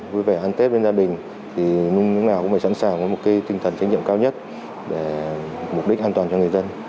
vui vẻ ăn tết với gia đình thì nung nào cũng phải sẵn sàng với một cái tinh thần trách nhiệm cao nhất để mục đích an toàn cho người dân